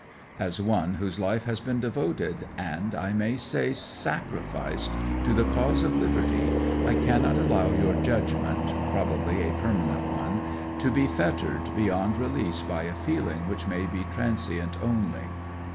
"As one whose life has been devoted, and I may say sacrificed, to the cause of Liberty, I cannot allow your judgment (probably a permanent one) to be fettered beyond release by a feeling which may be transient only.